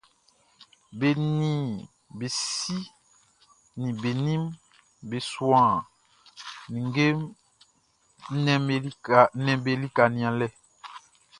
Be nin be si nin be nin be suan nnɛnʼm be lika nianlɛ.